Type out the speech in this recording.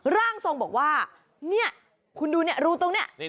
ร่างทรงบอกว่าเนี่ยคุณดูเนี่ยรูตรงนี้